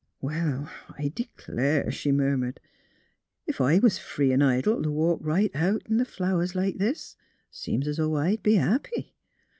'^ Well, I d'clare," she murmured. " Ef I was free 'n' idle t' walk right out in th' flowers like this, seems 's 'o' I'd be happy.